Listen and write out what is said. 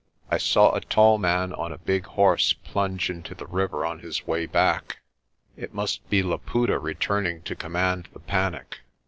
I saw a tall man on a big horse plunge into the river on his way back. It must be Laputa returning to command the panic.